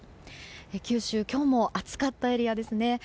九州の今日も暑かったエリアですね。